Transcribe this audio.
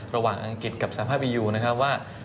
อังกฤษกับสภาพบียูนะครับว่า